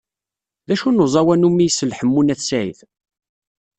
D acu n uẓawan umi isell Ḥemmu n At Sɛid?